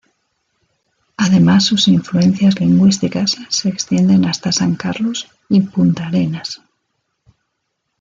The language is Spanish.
Además sus influencias lingüísticas se extienden hasta San Carlos y Puntarenas.